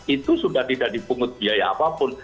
itu sudah tidak dipungut biaya apapun